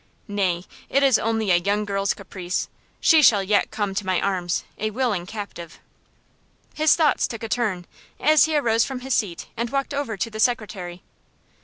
Nay, it is only a young girl's caprice. She shall yet come to my arms, a willing captive." His thoughts took a turn, as he arose from his seat, and walked over to the secretary.